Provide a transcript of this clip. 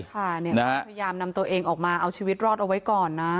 ค่ะเนี่ยนะฮะพยายามนำตัวเองออกมาเอาชีวิตรอดเอาไว้ก่อนนะ